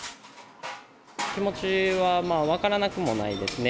気持ちは分からなくもないですね。